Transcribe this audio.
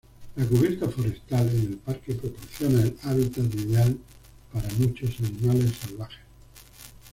La cubierta forestal en el parque proporciona el hábitat ideal para muchos animales salvajes.